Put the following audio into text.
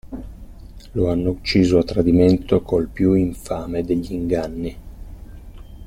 Lo hanno ucciso a tradimento col più infame degli inganni.